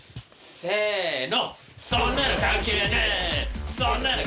せの。